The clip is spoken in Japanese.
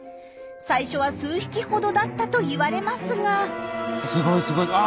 最初は数匹ほどだったといわれますが。